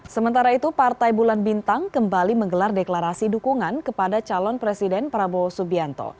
sementara itu partai bulan bintang kembali menggelar deklarasi dukungan kepada calon presiden prabowo subianto